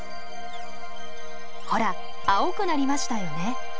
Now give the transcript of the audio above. ほら青くなりましたよね。